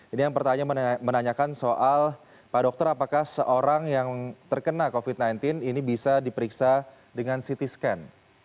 ini yang pertanyaan menanyakan soal pak dokter apakah seorang yang terkena covid sembilan belas ini bisa diperiksa dengan ct scan